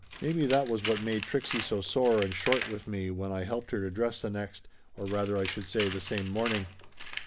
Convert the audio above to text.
Maybe that was what made Trixie so sore and short with me when I helped her to dress the next, or rather I should say, the same morn ing.